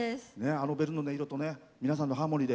あのベルの音色と皆様のハーモニーで。